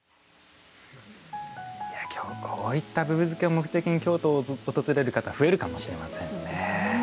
こういったぶぶ漬けを目的に京都を訪れる方増えるかもしれませんね。